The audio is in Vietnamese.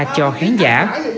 cho khán giả